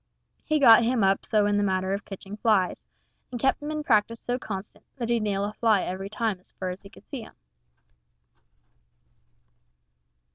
He got him up so in the matter of ketching flies, and kep' him in practice so constant, that he'd nail a fly every time as fur as he could see him.